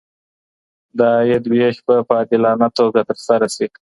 د عايد وېش به په عادلانه توګه ترسره سي.